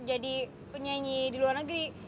aku nyanyi di luar negeri